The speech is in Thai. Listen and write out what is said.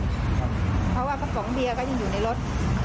เพราะว่ากระป๋องเบียร์ก็ยังอยู่ในรถ